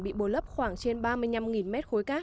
bị bồi lấp khoảng trên ba mươi năm m ba